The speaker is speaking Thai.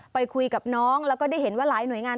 ไปคุยกับน้องแล้วก็ได้เห็นว่าหลายหน่วยงาน